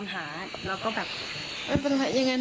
ลาขอจริง